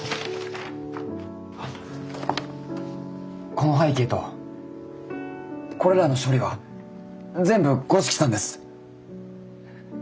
この背景とこれらの処理は全部五色さんです。